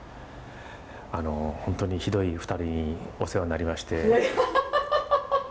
あの本当にひどい２人にお世話になりまして。